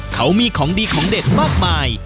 เขามีของดีของเด็ดมากมาย